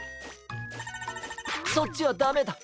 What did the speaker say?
そっちはダメだ！